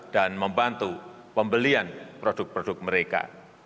dan membantu pembelian produk produk mereka